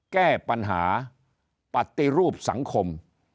แก้ปัญหาปฏิรูปสังคม